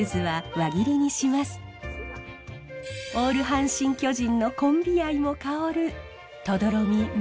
オール阪神・巨人のコンビ愛も香る止々呂美実